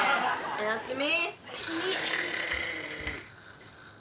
おやすみ。